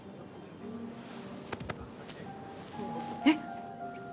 えっ？